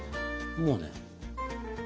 もうね。